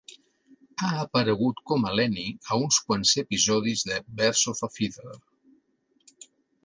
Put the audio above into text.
Ha aparegut com a Lenny a uns quants episodis de "Birds of a Feather".